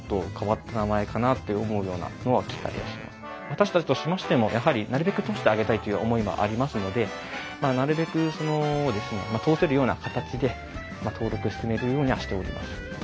私たちとしましてもやはりなるべく通してあげたいという思いはありますのでなるべく通せるような形で登録進めるようにはしております。